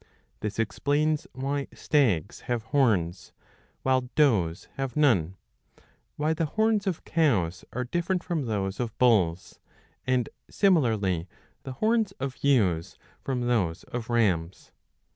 This explains why stags have horns, while does have none ; why the horns of cows are different from those of bulls, and, similarly, the horns of ewes from those of rams.